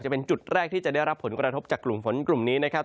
เป็นจุดแรกที่จะได้รับผลกระทบจากกลุ่มฝนกลุ่มนี้นะครับ